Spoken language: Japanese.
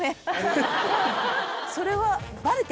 それは。